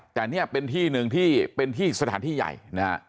แต่เนี่ยเป็นที่หนึ่งที่เป็นที่สถานที่ใหญ่นะฮะ